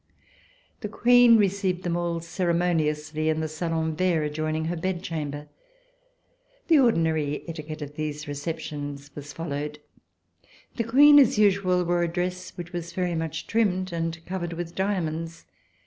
The Queen received them all ceremoniously in the salon vert, adjoining her bed chamber. The ordinary etiquette of these receptions was followed. The Queen, as usual, wore a dress which was very much trimmed and covered with diamonds.